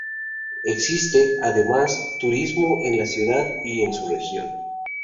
Existe, además, turismo en la ciudad y en su región.